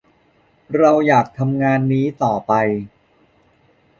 เราอยากทำงานนี้ต่อไป